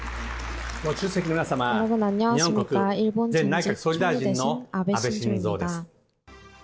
ご出席の皆様、日本国前内閣総理大臣の安倍晋三です。